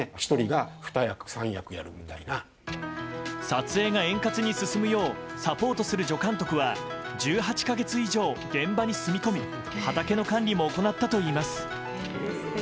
撮影が円滑に進むようサポートする助監督は１８か月以上現場に住み込み畑の管理も行ったといいます。